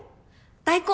大根。